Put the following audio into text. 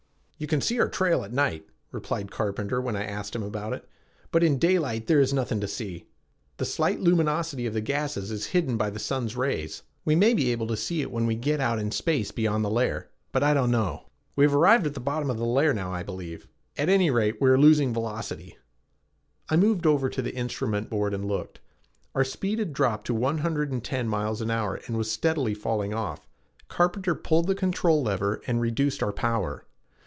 "You can see our trail at night," replied Carpenter when I asked him about it, "but in daylight, there is nothing to see. The slight luminosity of the gasses is hidden by the sun's rays. We may be able to see it when we get out in space beyond the layer, but I don't know. We have arrived at the bottom of the layer now, I believe. At any rate, we are losing velocity." I moved over to the instrument board and looked. Our speed had dropped to one hundred and ten miles an hour and was steadily falling off. Carpenter pulled the control lever and reduced our power.